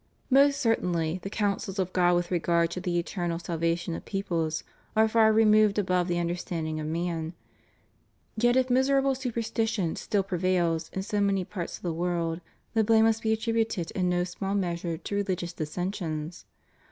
Most certainly, the counsels of God with regard to the eternal salvation of peoples are far removed above the under standing of man; yet if miserable superstition still pre vails in so many parts of the world, the blame must be attributed in no small measure to religious dissensions.